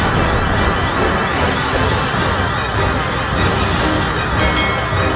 tidak ada setara